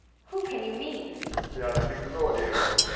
Who can you mean 1 Prov. Th' unhappy Claudio.